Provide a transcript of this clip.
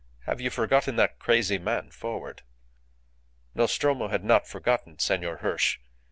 "Have you forgotten that crazy man forward?" Nostromo had not forgotten Senor Hirsch.